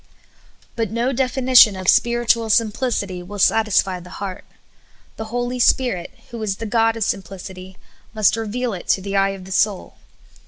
But no definition of spiritual simphcity will satisfy the heart. The Holy Spirit, who is the God of simplic ity, must reveal it to the eye of the soul.